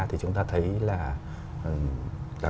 thì chúng ta thấy là